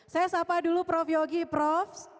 saya sapa dulu prof yogi prof